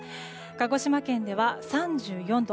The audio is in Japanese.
鹿児島県では３４度。